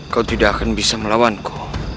kau tidak akan bisa melawanku